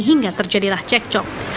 hingga terjadilah cekcok